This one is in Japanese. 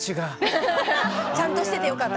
ちゃんとしててよかった。